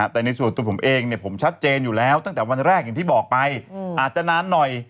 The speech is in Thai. แต่ในส่วนตัวผมเองผมชัดเจนอยู่แล้วตั้งแต่วันแรกอย่างที่บอกไปอาจจะนานหน่อย